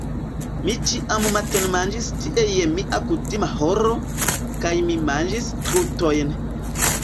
Mi ĉiam matenmanĝis tie je mia kutima horo, kaj mi manĝis trutojn.